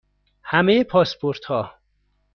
همه پاسپورت ها